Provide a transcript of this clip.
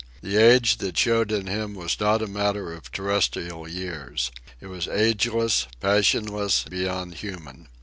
The age that showed in him was not a matter of terrestrial years. It was ageless, passionless, beyond human.